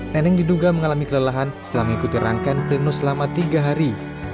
neneng diduga mengalami kelelahan setelah mengikuti rangkaian pleno selama tiga hari